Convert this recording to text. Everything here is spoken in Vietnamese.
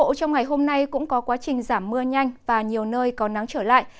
nhiệt độ trong ngày hôm nay cũng có quá trình giảm mưa nhanh và nhiều nơi có nắng trở lại